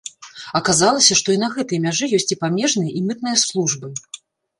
Аказалася, што і на гэтай мяжы ёсць і памежныя, і мытныя службы.